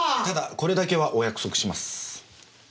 ただこれだけはお約束します。